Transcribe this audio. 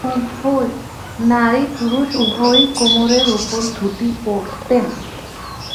নারী-পুরুষ উভয়েই কোমরের উপর ধুতি পরতেন।